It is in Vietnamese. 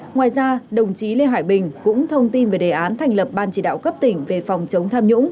ngoài ra đồng chí lê hải bình cũng thông tin về đề án thành lập ban chỉ đạo cấp tỉnh về phòng chống tham nhũng